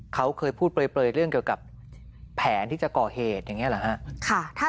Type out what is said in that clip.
เขาเคยพูดเปลยเรื่องเกี่ยวกับแผนที่จะก่อเหตุอย่างนี้เหรอฮะ